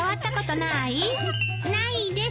ないです。